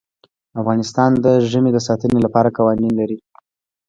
افغانستان د ژمی د ساتنې لپاره قوانین لري.